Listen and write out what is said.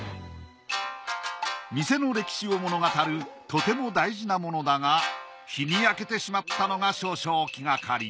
店の歴史を物語るとても大事なものだが日に焼けてしまったのが少々気がかり。